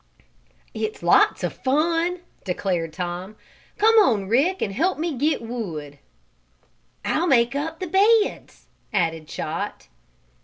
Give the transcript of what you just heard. "It's lots of fun!" declared Tom. "Come on, Rick, and help me get wood." "I'll make up the beds," added Chot.